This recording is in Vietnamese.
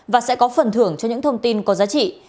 và sẽ có phần thưởng cho những thông tin có giá trị